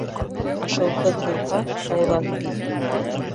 Ашыуһыҙ булһа тауҙан биҙ